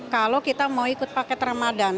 kalau kita mau ikut paket ramadan